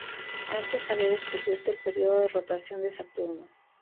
Antes había descubierto el período de rotación de Saturno.